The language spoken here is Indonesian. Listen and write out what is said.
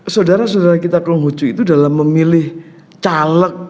saudara saudara kita konghucu itu dalam memilih caleg